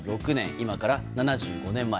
今から７５年前。